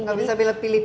gak bisa pilih pilih ya